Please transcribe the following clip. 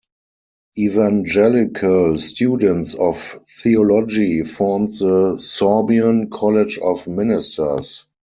Evangelical students of theology formed the Sorbian College of Ministers.